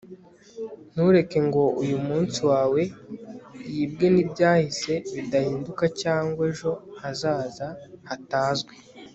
ntureke ngo uyumunsi wawe yibwe nibyahise bidahinduka cyangwa ejo hazaza hatazwi